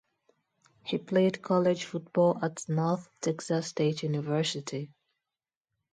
He played college football at North Texas State University.